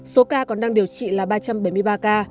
số ca còn đang điều trị là ba trăm bảy mươi ba ca